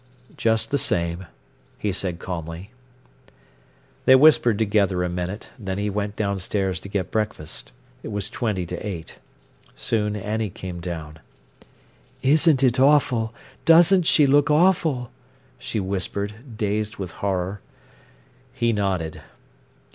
"Just the same," he said calmly. They whispered together a minute, then he went downstairs to get breakfast. It was twenty to eight. Soon Annie came down. "Isn't it awful! Doesn't she look awful!" she whispered, dazed with horror. He nodded.